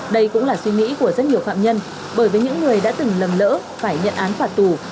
đây cũng là suy nghĩ của rất nhiều phạm nhân bởi với những người đã từng lầm lỡ phải nhận án phạt tù